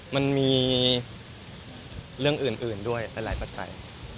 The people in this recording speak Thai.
มันมีเรื่องอื่นด้วยหลายปัจจัย